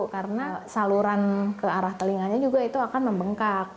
karena saluran ke arah telinganya juga itu akan membengkak